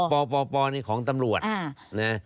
ปอปอปอนี่ของตำรวจ